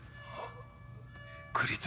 栗田。